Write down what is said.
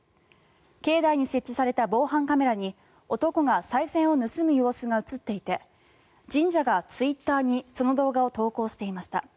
境内に設置された防犯カメラに男がさい銭を盗む様子が映っていて神社がツイッターにその動画を投稿していました。